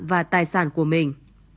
và tài sản của mình